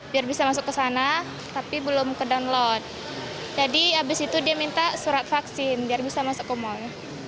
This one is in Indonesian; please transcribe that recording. biar bisa masuk ke sana tapi belum ke download jadi abis itu dia minta surat vaksin biar bisa masuk ke mall